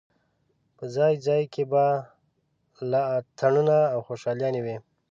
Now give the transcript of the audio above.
په ځای ځای کې به لا اتڼونه او خوشالۍ وې.